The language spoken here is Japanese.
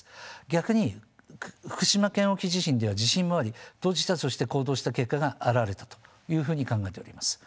逆に福島県沖地震では地震もあり当事者として行動した結果が表れたというふうに考えております。